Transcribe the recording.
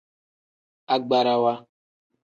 Agbarawa.